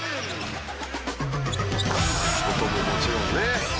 「外ももちろんね」